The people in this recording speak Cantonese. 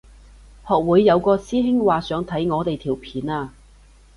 學會有個師兄話想睇我哋條片啊